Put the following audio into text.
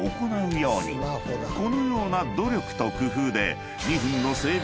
［このような努力と工夫で２分の整備